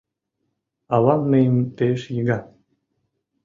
Авам мыйым пеш йыга.